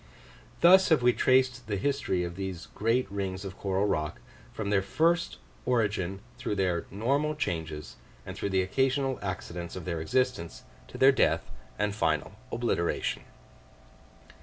Thus have we traced the history of these great rings of coral rock, from their first origin through their normal changes, and through the occasional accidents of their existence, to their death and final obliteration.